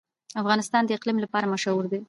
افغانستان د اقلیم لپاره مشهور دی.